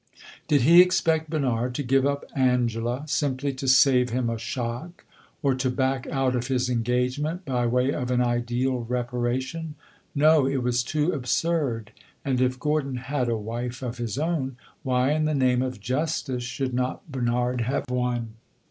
Did he expect Bernard to give up Angela simply to save him a shock; or to back out of his engagement by way of an ideal reparation? No, it was too absurd, and, if Gordon had a wife of his own, why in the name of justice should not Bernard have one?